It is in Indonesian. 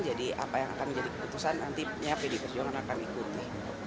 jadi apa yang akan menjadi keputusan nantinya pdi perjuangan akan ikuti